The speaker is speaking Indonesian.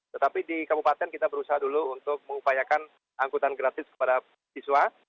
tetapi di kabupaten kita berusaha dulu untuk mengupayakan angkutan gratis kepada siswa